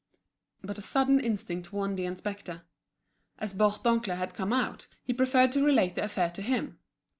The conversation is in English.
But a sudden instinct warned the inspector. As Bourdoncle had come out, he preferred to relate the affair to him.